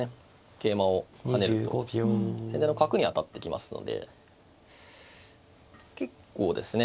桂馬を跳ねると先手の角に当たってきますので結構ですね